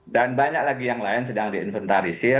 banyak lagi yang lain sedang diinventarisir